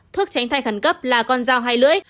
thuốc tránh thai khẩn cấp là con dao hai lưỡi